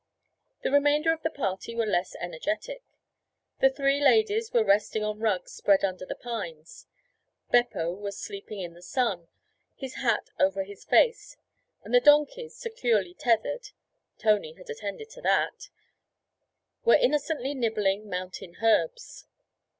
The remainder of the party were less energetic. The three ladies were resting on rugs spread under the pines; Beppo was sleeping in the sun, his hat over his face, and the donkeys, securely tethered (Tony had attended to that), were innocently nibbling mountain herbs.